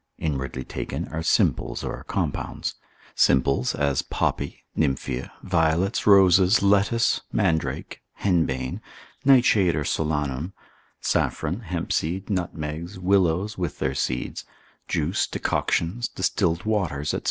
Inwardly taken, are simples, or compounds; simples, as poppy, nymphea, violets, roses, lettuce, mandrake, henbane, nightshade or solanum, saffron, hemp seed, nutmegs, willows, with their seeds, juice, decoctions, distilled waters, &c.